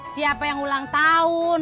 siapa yang ulang tahun